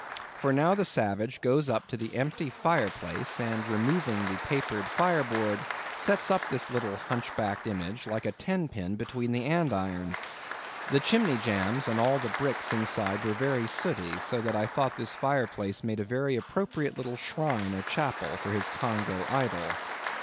For now the savage goes up to the empty fire place, and removing the papered fire board, sets up this little hunch backed image, like a tenpin, between the andirons. The chimney jambs and all the bricks inside were very sooty, so that I thought this fire place made a very appropriate little shrine or chapel for his Congo idol.